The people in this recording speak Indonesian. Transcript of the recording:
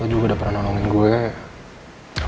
lo juga udah pernah nolongin gue